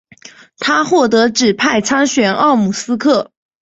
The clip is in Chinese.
他获得指派参选奥姆斯克。